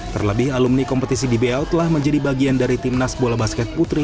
terlebih alumni kompetisi dbl telah menjadi bagian dari timnas bola basket putri